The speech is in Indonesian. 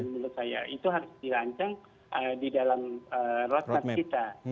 menurut saya itu harus dirancang di dalam roadmap kita